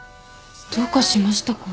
どうかしましたか？